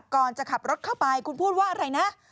ก่อนจะขับรถเข้าไปคุณพูดว่าอะไรนะ